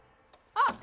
あっ！